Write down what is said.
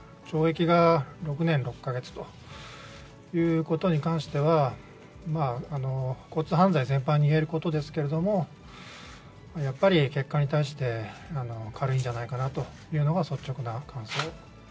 懲役が６年６か月ということに関しては、交通犯罪全般にいえることですけれども、やっぱり結果に対して、軽いんじゃないかなというのが、率直な感想。